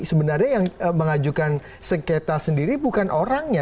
sebenarnya yang mengajukan sengketa sendiri bukan orangnya